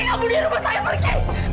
kamu di rumah saya pergi